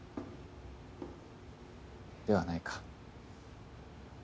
ではないか。